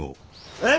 え！？